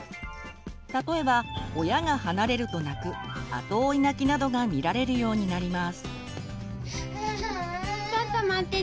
例えば親が離れると泣く後追い泣きなどが見られるようになります。